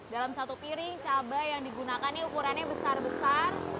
dalam satu piring cabai yang digunakan ini ukurannya besar besar